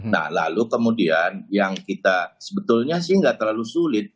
nah lalu kemudian yang kita sebetulnya sih nggak terlalu sulit